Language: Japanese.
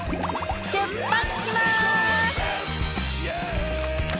出発します！